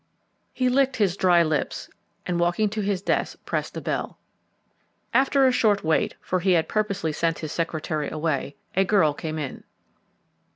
He licked his dry lips, and, walking to his desk, pressed a bell. After a short wait for he had purposely sent his secretary away a girl came in.